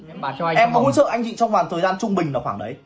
em có hỗ trợ anh chị trong khoảng thời gian trung bình là khoảng đấy